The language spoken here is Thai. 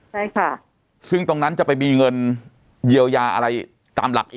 ใช่ค่ะซึ่งตรงนั้นจะไปมีเงินเยียวยาอะไรตามหลักอีก